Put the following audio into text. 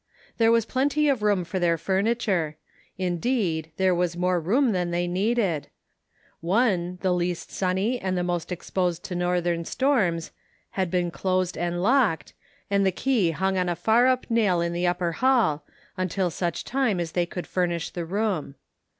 There was plenty of room for their furniture ; indeed, there was more room than they needed ; one, the least sunny and the most exposed to northern storms, had been closed and locked, and the key hung on a far up nail in the upper hall, until such time as they could furnish the room.